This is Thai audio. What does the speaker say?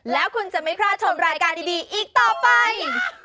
แล้วคุณจะไม่พลาดชมรายการดีอีกต่อไป